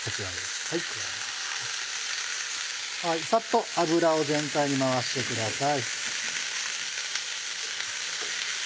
サッと油を全体に回してください。